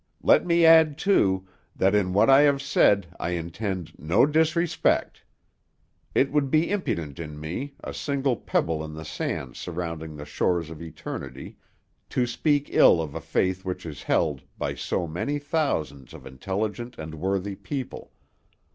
Let me add, too, that in what I have said I intend no disrespect. It would be impudent in me, a single pebble in the sands surrounding the shores of eternity, to speak ill of a faith which is held by so many thousands of intelligent and worthy people.